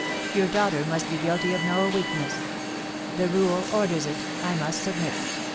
Your daughter must be guilty of no weakness. The rule orders it, I must submit.